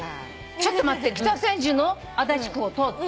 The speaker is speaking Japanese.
ちょっと待って。